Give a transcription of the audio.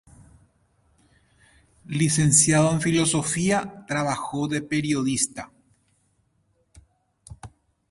Licenciado en Filosofía, trabajó de periodista.